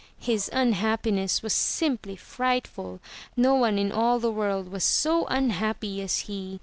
His imhappiness was simply frightful! No one in all the world was so unhappy as he.